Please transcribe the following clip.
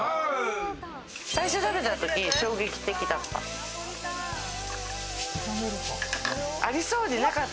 最初食べたとき衝撃的だった。